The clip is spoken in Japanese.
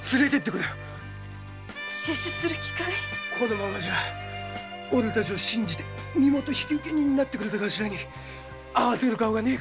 このままじゃおれたちを信じて身元引受人になってくれたカシラに会わせる顔がねえからな。